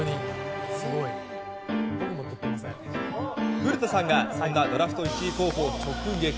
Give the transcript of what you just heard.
古田さんがそんなドラフト１位候補を直撃。